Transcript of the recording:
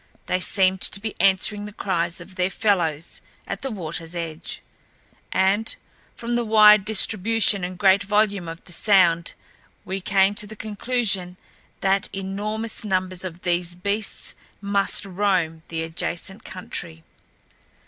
They seemed to be answering the cries of their fellows at the waterl's edge, and from the wide distribution and great volume of the sound we came to the conclusion that enormous numbers of these beasts must roam the adjacent country.